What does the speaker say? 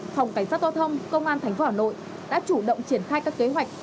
phòng cảnh sát giao thông công an thành phố hà nội đã chủ động triển khai các kế hoạch